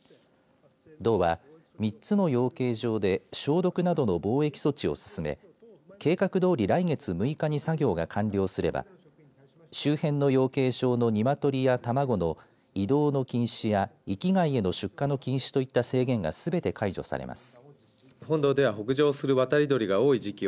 道は３つの養鶏場で消毒などの防疫措置を進め計画どおり来月６日に作業が完了すれば周辺の養鶏場の鶏や卵の移動の禁止や域外への出荷の禁止といった制限がすべて解除されます。